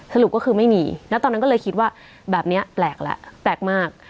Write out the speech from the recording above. สรุปก็คือไม่มีแล้วตอนนั้นก็เลยคิดว่าแบบนี้แปลกแล้วแปลกมาก